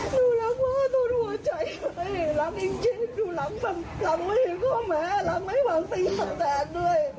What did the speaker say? หนูรักพ่อตัวตัวใจเลยรักจริงหนูรักไม่เห็นข้อแม้รักไม่หวังสิ่งแสดดด้วย